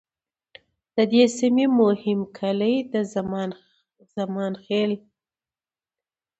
د دې سیمې مهم کلي د زمان خیل،